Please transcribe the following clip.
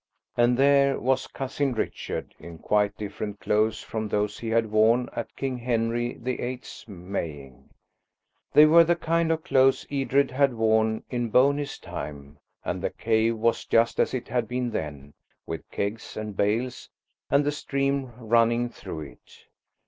And there was Cousin Richard in quite different clothes from those he had worn at King Henry the Eighth's maying. They were the kind of clothes Edred had worn in Boney's time, and the cave was just as it had been then, with kegs and bales, and the stream running through it.